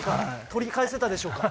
取り返せたでしょうか？